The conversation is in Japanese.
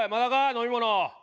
飲み物。